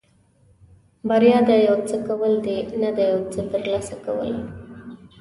بریا د یو څه کول دي نه د یو څه ترلاسه کول.